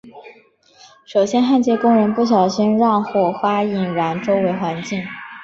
首先焊接工人不小心让火花引燃周围环境。